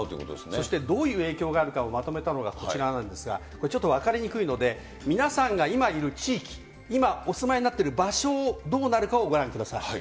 そしてどういう影響があるかをまとめたのがこちらなんですが、これちょっと分かりにくいので、皆さんが今いる地域、今お住まいになっている場所を、どうなるかをご覧ください。